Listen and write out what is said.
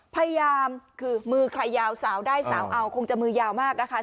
พยายามคือมือใครยาวสาวได้สาวเอาคงจะมือยาวมากนะคะ